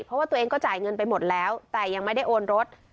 เพราะว่าตัวเองก็จ่ายเงินไปหมดแล้วแต่ยังไม่ได้โอนรถ